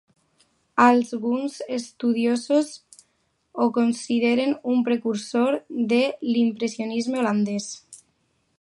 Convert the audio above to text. Alguns estudiosos ho consideren un precursor de l'Impressionisme holandès.